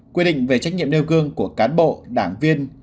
quy định về trách nhiệm nêu gương của cán bộ đảng viên